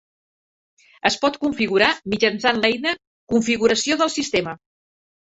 Es pot configurar mitjançant l'eina Configuració del sistema.